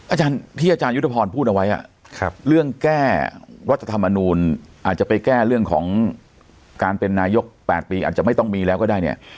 อาจารย์ที่อาจารยุทธพรพูดเอาไว้เรื่องแก้รัฐธรรมนูลอาจจะไปแก้เรื่องของการเป็นนายก๘ปีอาจจะไม่ต้องมีแล้วก็ได้เนี่ย